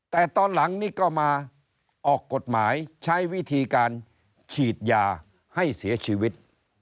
แต่ตอนหลังนี่ก็มาออกกฎหมายใช้วิธีการฉีดยาให้เสียชีวิต